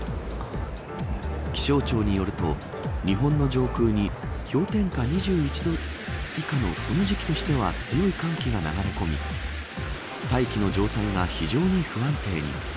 気象庁によると、日本の上空に氷点下２１度以下のこの時期としては強い寒気が流れ込み大気の状態が非常に不安定に。